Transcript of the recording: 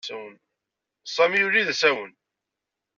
Sami yuli d asawen.